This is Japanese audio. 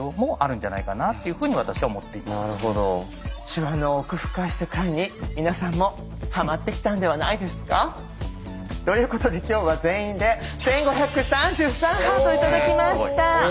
手話の奥深い世界に皆さんもはまってきたんではないですか。ということで今日は全員で１５３３ハート頂きました！